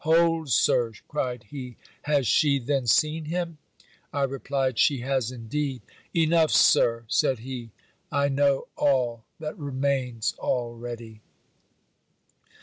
'Hold Sir,' cried he, 'has she then seen him?' I replied, 'she has indeed.' 'Enough, Sir,' said he, 'I know all that remains already.'